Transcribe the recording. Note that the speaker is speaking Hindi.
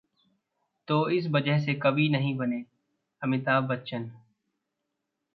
...तो इस वजह से 'कवि' नहीं बने अमिताभ बच्चन